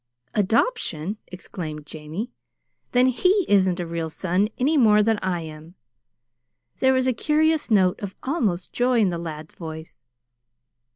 "Adoption!" exclaimed Jamie. "Then HE isn't a real son any more than I am." There was a curious note of almost joy in the lad's voice.